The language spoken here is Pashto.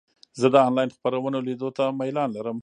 زه د انلاین خپرونو لیدو ته میلان لرم.